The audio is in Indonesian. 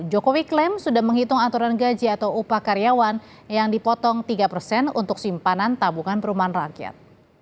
jokowi klaim sudah menghitung aturan gaji atau upah karyawan yang dipotong tiga persen untuk simpanan tabungan perumahan rakyat